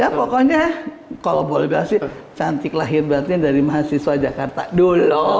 ya pokoknya kalau boleh bilang sih cantik lahir batin dari mahasiswa jakarta dulu